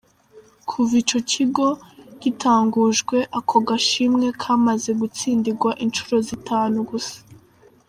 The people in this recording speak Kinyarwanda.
Kuva ico kigo gitangujwe ako gashimwe kamaze gutsindigwa incuro zitanu gusa.